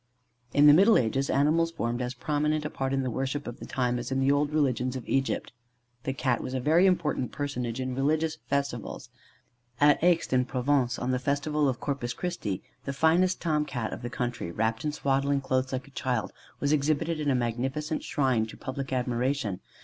In the middle ages, animals formed as prominent a part in the worship of the time as in the old religion of Egypt. The Cat was a very important personage in religious festivals. At Aix, in Provence, on the festival of Corpus Christi, the finest Tom cat of the country, wrapt in swaddling clothes like a child, was exhibited in a magnificent shrine to public admiration.